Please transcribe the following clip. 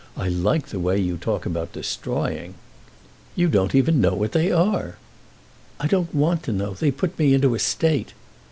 I like the way you talk about 'destroying!' You don't even know what they are." "I don't want to know; they put me into a state."